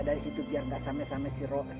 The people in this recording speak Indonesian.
dari situ biar nggak sama sama si